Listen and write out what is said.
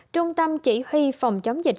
trung tâm chỉ huy phòng chống dịch